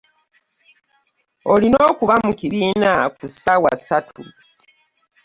Olina okuba mu kibiina ku ssaawa ssatu.